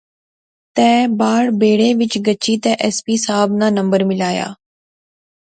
تے باہر بیڑے وچ گچھی تہ ایس پی صاحب ناں نمبر ملایا